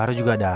baru juga dah